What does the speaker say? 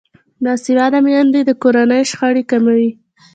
باسواده میندې د کورنۍ شخړې کموي.